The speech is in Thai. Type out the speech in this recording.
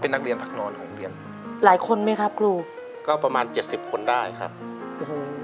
นักเรียนพักนอนของโรงเรียนหลายคนไหมครับครูก็ประมาณเจ็ดสิบคนได้ครับโอ้โห